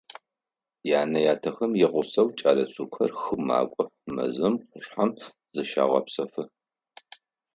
Янэ-ятэхэм ягъусэу кӏэлэцӏыкӏухэр хым макӏох, мэзым, къушъхьэм зыщагъэпсэфы.